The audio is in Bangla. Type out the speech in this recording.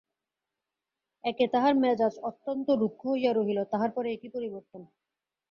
একে তাহার মেজাজ অত্যন্ত রুক্ষ হইয়া রহিল, তাহার পরে এ কী পরিবর্তন।